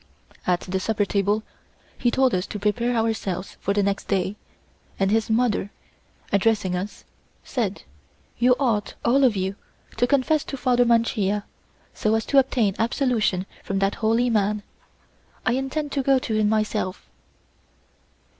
At the supper table, he told us to prepare ourselves for the next day, and his mother, addressing us, said: "You ought, all of you, to confess to Father Mancia, so as to obtain absolution from that holy man. I intend to go to him myself."